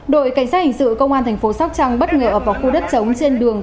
đội cảnh sát hình sự công an tp nha trang bất ngờ ở vào khu đất trống trên đường